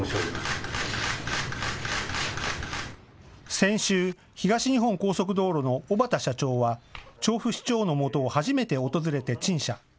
先週、東日本高速道路の小畠社長は調布市長のもとを初めて訪れて陳謝。